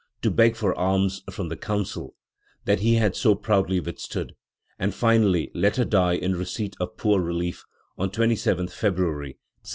(1752) to beg for alms from the Council that he had so proudly withstood, and finally let her die in receipt of poor relief, on 2yth February 1760.